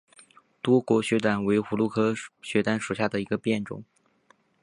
多果雪胆为葫芦科雪胆属下的一个变种。